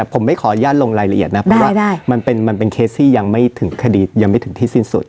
ผมไม่ขออนุญาตลงรายละเอียดนะเพราะว่ามันเป็นเคสที่ยังไม่ถึงคดียังไม่ถึงที่สิ้นสุด